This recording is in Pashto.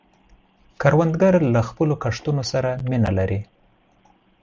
کروندګر له خپلو کښتونو سره مینه لري